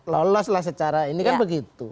lolos lah secara ini kan begitu